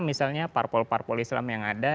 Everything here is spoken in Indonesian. misalnya parpol parpol islam yang ada